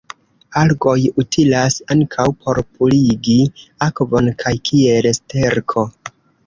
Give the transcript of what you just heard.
Algoj utilas ankaŭ por purigi akvon kaj kiel sterko.